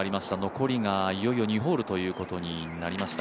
残りがいよいよ２ホールということになりました。